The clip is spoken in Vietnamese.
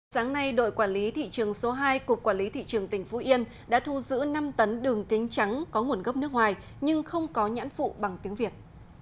sáng nay đội quản lý thị trường số hai cục quản lý thị trường tỉnh phú yên đã thu giữ năm tấn đường kính trắng có nguồn gốc nước ngoài nhưng không có nhãn phụ bằng tiếng việt